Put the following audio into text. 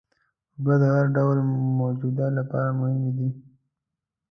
اوبه د هر ډول موجود لپاره مهمې دي.